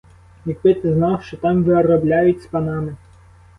Якби ти знав, що там виробляють з панами!